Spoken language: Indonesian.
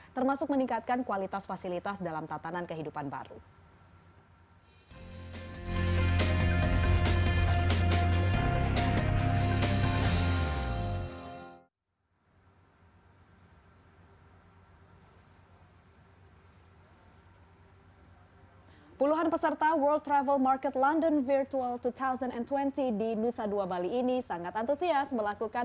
termasuk meningkatkan kualitas fasilitas dalam tatanan kehidupan baru